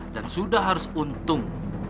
dan sudah harus untung